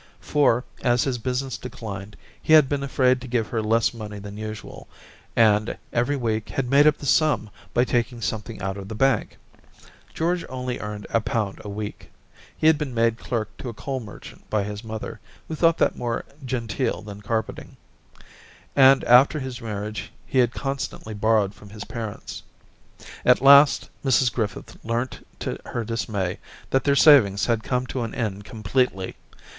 For, as his business declined, he had been afraid to give her less money than usual, and every week had made up the sum by taking something out of the bank. George only earned a pound a week — ^lie had been made clerk to a coal merchant by his mother, who thought that more genteel than carpentering — ^and after his marriage he had constantly borrowed from his parents. At last Mrs Griffith learnt to her dismay that their savings had come to an end completely.